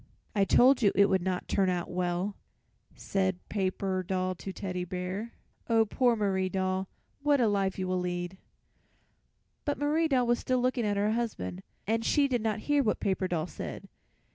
"I told you it would not turn out well," said Paper Doll to Teddy Bear. "Oh, poor Marie Doll, what a life you will lead!" But Marie Doll was still looking at her husband, and she did not hear what Paper Doll said.